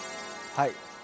はい。